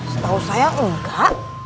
setahu saya enggak